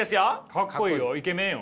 かっこいいよイケメンよ。